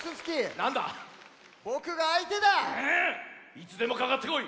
いつでもかかってこい！